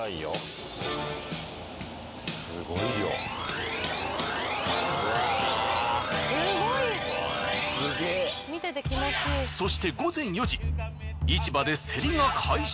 すごい！そして午前４時市場でセリが開始。